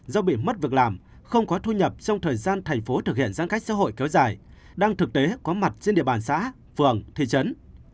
do bị mất việc làm không có thu nhập trong thời gian thành phố thực hiện giãn cách xã hội kéo dài đang thực tế có mặt trên địa bàn xã phường thị trấn